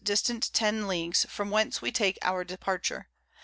distant 10 Leagues, from whence we take our Departure.